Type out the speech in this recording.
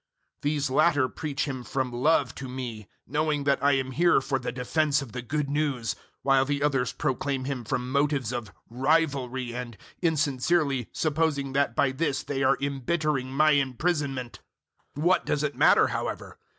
001:016 These latter preach Him from love to me, knowing that I am here for the defence of the Good News; 001:017 while the others proclaim Him from motives of rivalry, and insincerely, supposing that by this they are embittering my imprisonment. 001:018 What does it matter, however?